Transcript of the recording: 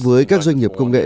với các doanh nghiệp công nghệ